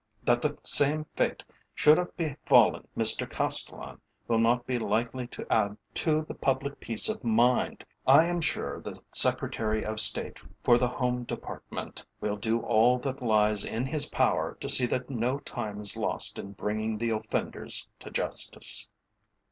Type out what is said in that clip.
That the same fate should have befallen Mr Castellan will not be likely to add to the public peace of mind. I am sure the Secretary of State for the Home Department will do all that lies in his power to see that no time is lost in bringing the offenders to justice."